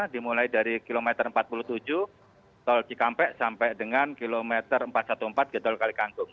dimulai dari km empat puluh tujuh gtol cikampek sampai dengan km empat ratus empat belas gtol kalikangkung